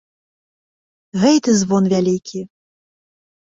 Гэй, ты, звон вялікі!